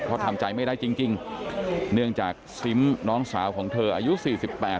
เพราะทำใจไม่ได้จริงจริงเนื่องจากซิมน้องสาวของเธออายุสี่สิบแปด